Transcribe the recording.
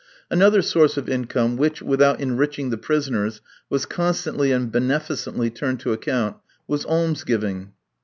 Another source of income which, without enriching the prisoners, was constantly and beneficently turned to account, was alms giving.